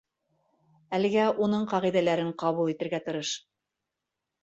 Әлегә уның ҡағиҙәләрен ҡабул итергә тырыш.